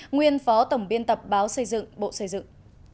nguyên phó tổng biên tập báo xây dựng bộ xây dựng